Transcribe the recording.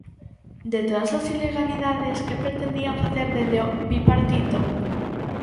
¿De todas as ilegalidades que pretendían facer dende o bipartito?